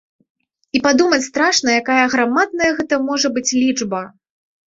І падумаць страшна, якая аграмадная гэта можа быць лічба!